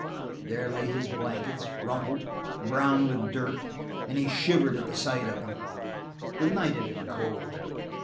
There lay his blankets, rumpled, brown with dirt, and he shivered at sight of them; the night had been cold.